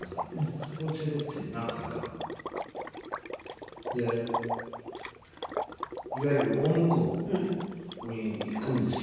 そこへ連れて行って何回か。でいわゆる大向こうに行くんですよ。